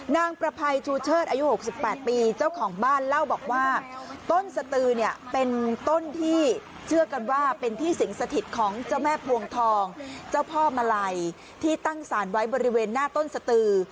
นางประภัยชูเชิดอายุ๖๘ปีเจ้าของบ้านเล่าบอกว่าต้นสตือเนี่ยเป็นต้นที่เชื่อกันว่าเป็นที่สิงสถิตของเจ้าแม่พวงทองเจ้าพ่อมาลัยที่ตั้งสารไว้บริเวณหน้าต้นสตือ